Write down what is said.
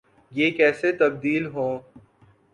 یہ کیسے تبدیل ہوں۔